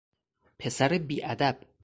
پسر بیادب